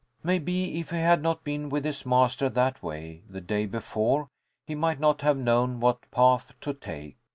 Maybe if he had not been with his master that way, the day before, he might not have known what path to take.